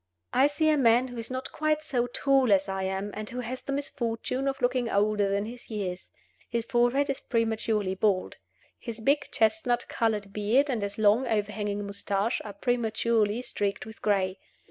I see a man who is not quite so tall as I am, and who has the misfortune of looking older than his years. His forehead is prematurely bald. His big chestnut colored beard and his long overhanging mustache are prematurely streaked with gray.